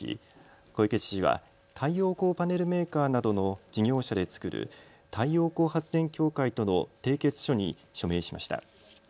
小池知事は太陽光パネルメーカーなどの事業者で作る太陽光発電協会との締結書に署名しました。